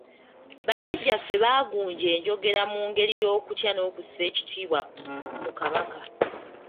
Bajjajjaffe baagunja enjogera mu ngeri y’okutya n’okussa ekitiibwa mu Kabaka.